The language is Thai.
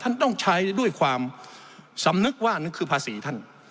ท่านต้องใช้ด้วยความสำนึกว่านั่นคือภาษีท่าน